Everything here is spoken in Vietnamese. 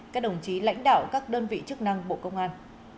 các đồng chí lãnh đạo các đơn vị chức năng bộ công an